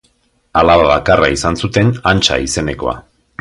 Alaba bakarra izan zuten Antsa izenekoa.